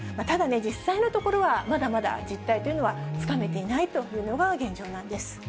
ただ、実際のところは、まだまだ実態というのはつかめていないというのが現状なんです。